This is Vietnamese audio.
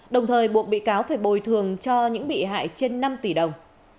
đồng thời buộc bị cáo phải bồi thường cho những bị hại trên năm tỷ đồng